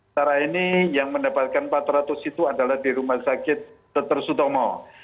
cara ini yang mendapatkan empat ratus itu adalah di rumah sakit dr sutomo